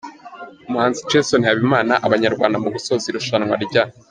Umuhanzi Jason habimana Abanyarwanda mu gusoza irushanwa rya